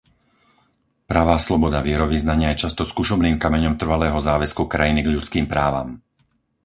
Pravá sloboda vierovyznania je často skúšobným kameňom trvalého záväzku krajiny k ľudským právam.